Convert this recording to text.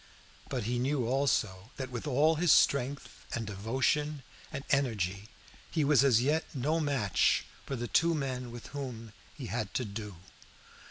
But he knew also that, with all his strength and devotion and energy, he was as yet no match for the two men with whom he had to do.